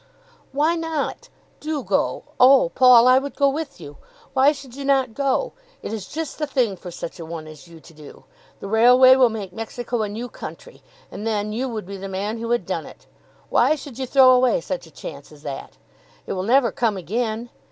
"Why not? Do go. Oh, Paul, I would go with you. Why should you not go? It is just the thing for such a one as you to do. The railway will make Mexico a new country, and then you would be the man who had done it. Why should you throw away such a chance as that? It will never come again.